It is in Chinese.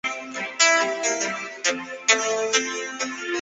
国会唱片让这首歌在他们官方网站上免费下载。